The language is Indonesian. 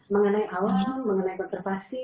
mengenai alam mengenai konservasi